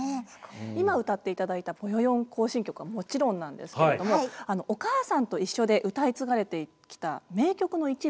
今歌っていただいた「ぼよよん行進曲」はもちろんなんですけれども「おかあさんといっしょ」で歌い継がれてきた名曲の一部。